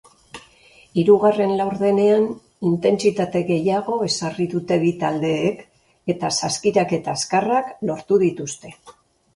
Hirugarren laurdenean intentsitate gehiago ezarri dute bi taldeek eta saskiraketa azkarrak lortu dituzte.